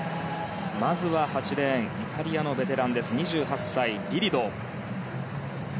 まずは８レーンイタリアのベテラン２８歳、ディ・リド。